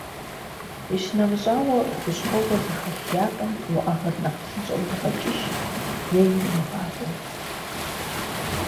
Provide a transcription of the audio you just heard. Къищынэмыщӏауэ, хущхъуэгъуэ зыхэлъ ятӏэм уӏэгъэр нэхъ псынщӏэу егъэкӏыж, е иримыгъакӏуэу.